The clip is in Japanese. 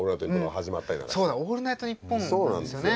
そうだ「オールナイトニッポン」なんですよね。